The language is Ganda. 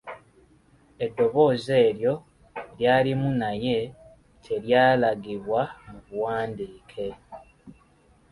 Eddoboozi eryo lyalimu naye teryalagibwa mu buwandiike.